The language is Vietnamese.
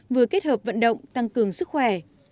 vừa kết hợp vận động tăng cường sức khỏe